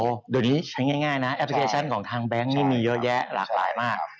เดี๋ยวนี้ใช้ง่ายนะแอปพลิเคชันของทางแบงค์นี่มีเยอะแยะหลากหลายมาก